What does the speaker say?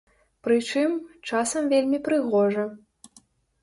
Прычым, часам вельмі прыгожа.